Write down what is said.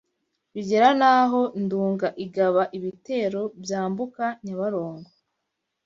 Bigera naho Nduga igaba ibitero byambuka Nyabarongo